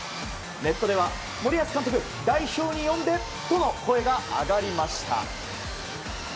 ネットでは森保監督代表に呼んで！との声が上がりました。